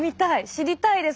知りたいです。